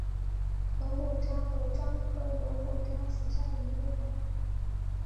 油果樟为樟科油果樟属下的一个种。